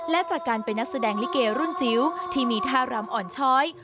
และจากการเป็นนักแสดงลิเกรุ่นจิ๋วที่มีท่ารำอ่อนช้อย